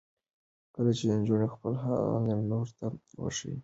کله چې نجونې خپل علم نورو ته وښيي، نو ټولنه پرمختګ تجربه کوي.